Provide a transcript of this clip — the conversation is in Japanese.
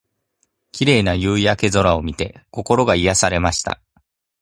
綺麗な夕焼け空を見て、心が癒されました。